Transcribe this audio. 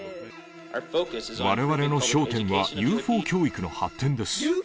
われわれの焦点はＵＦＯ教育の発展です。